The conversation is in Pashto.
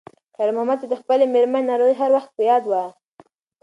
خیر محمد ته د خپلې مېرمنې ناروغي هر وخت په یاد وه.